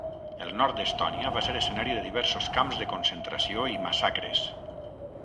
El nord d'Estònia va ser escenari de diversos camps de concentració i massacres.